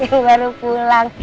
yang baru pulang